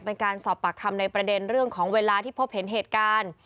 เป็นการสอบปากคำในประเด็นเรื่องของเวลาที่พบเห็นเหตุการณ์